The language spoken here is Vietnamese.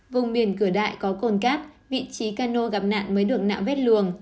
vùng biển cửa đại có cồn cát vị trí cano gặp nạn mới được nạo vét luồng